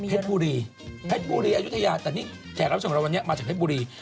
เพศบุรีอหยุธยาแต่ขณะเราต่างจากเพศบุรี